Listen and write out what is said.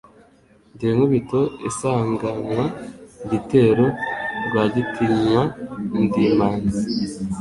Ndi inkubito isanganwa igitero rwagitinywa ndi imanzi